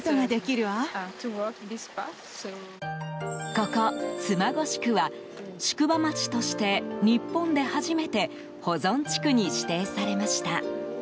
ここ妻籠宿は宿場町として日本で初めて保存地区に指定されました。